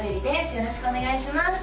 よろしくお願いします